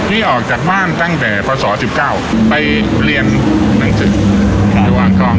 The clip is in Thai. พี่ออกจากบ้านตั้งแต่ภาษา๑๙ไปเรียนหนังสืออยู่อังทอง